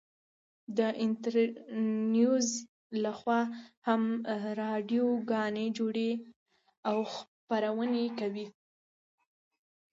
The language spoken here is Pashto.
د انترنيوز لخوا هم راډيو گانې جوړې او خپرونې كوي.